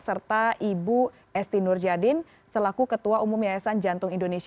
serta ibu esti nurjadin selaku ketua umum yayasan jantung indonesia